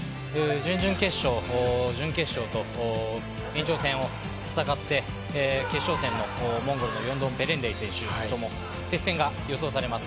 準々決勝、準決勝と延長戦を戦って決勝戦のモンゴルの選手との接戦が予想されます。